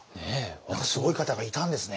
またすごい方がいたんですね。